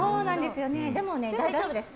でもね、大丈夫です。